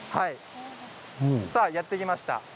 やって来ました。